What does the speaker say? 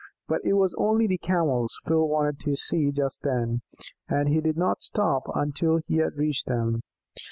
But it was only the Camels Phil wanted to see just then, and he did not stop until he had reached them.